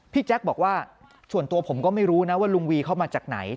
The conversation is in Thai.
แจ๊คบอกว่าส่วนตัวผมก็ไม่รู้นะว่าลุงวีเข้ามาจากไหน